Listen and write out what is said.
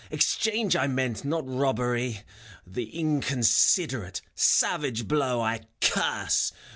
Exchange I meant, not robbery. The inconsiderate, savage blow I curse